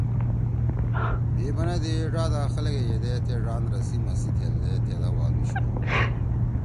بھی بندی ڙادا خلگے یدے تے ڙان رسی مسی تھیلدے تھیدا والُوشُوا۔